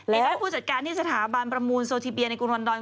และผู้จัดการที่สถาบันประมูลโซทิเบียในกรุงลอนดอน